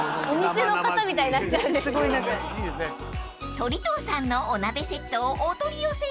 ［鳥藤さんのお鍋セットをお取り寄せ］